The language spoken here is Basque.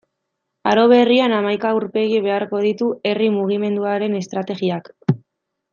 Aro berrian, hamaika aurpegi beharko ditu herri mugimenduaren estrategiak.